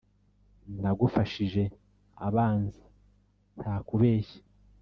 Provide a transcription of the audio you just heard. Nagufashije abanzi ntakubeshya,